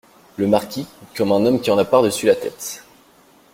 Le Marquis , comme un homme qui en a par-dessus la tête.